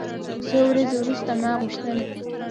څو ورځې وروسته ما غوښتل.